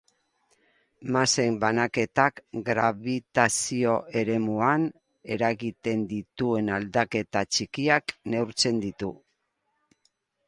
Masen banaketak grabitazio-eremuan eragiten dituen aldaketa txikiak neurtzen ditu.